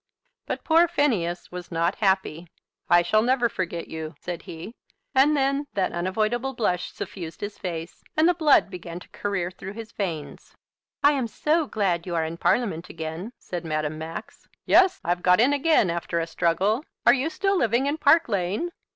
But poor Phineas was not happy. "I shall never forget you," said he; and then that unavoidable blush suffused his face, and the blood began to career through his veins. "I am so glad you are in Parliament again," said Madame Max. "Yes; I've got in again, after a struggle. Are you still living in Park Lane?"